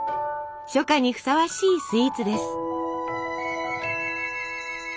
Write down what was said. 初夏にふさわしいスイーツです。